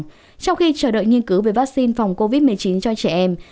trong khi chờ đợi nghiên cứu về vaccine phòng covid một mươi chín cho trẻ em